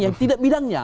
yang tidak bidangnya